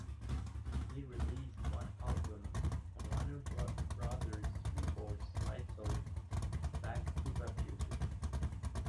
He released one album on Warner Brothers Records titled "Back Tuva Future".